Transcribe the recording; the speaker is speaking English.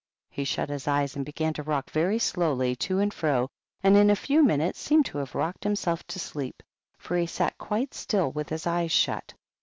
He shut his eyes and began to rock very slowly to and fro, and in a few minutes seemed to have rocked himself to sleep, for he sat quite still with his eyes shut.